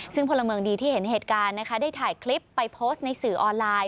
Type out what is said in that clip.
ซึ่งพลเมืองดีที่เห็นเหตุการณ์นะคะได้ถ่ายคลิปไปโพสต์ในสื่อออนไลน์